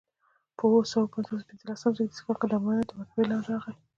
په اووه سوه پنځلسم زېږدیز کال د امویانو تر ولکې لاندې راغي.